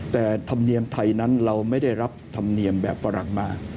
แต่ธรรมเนียมไทยนั้นเราไม่ได้รับธรรมเนียมแบบฝรั่งมา